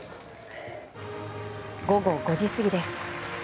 午後５時過ぎです。